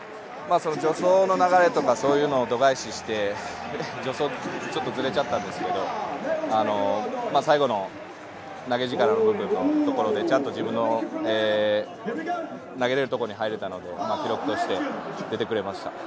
助走の流れとか、そういうのを度外視して助走ちょっとずれちゃったんですけど、最後の投げ時間のところでちゃんと自分の投げれる所に入れたので記録として出てくれました。